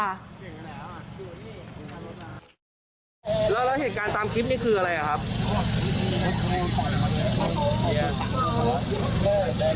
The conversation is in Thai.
แล้วเหตุการณ์ตามคลิปนี้คืออะไรอ่ะครับ